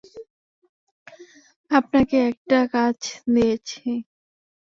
আপনাকে একটা কাজ দিয়েছি।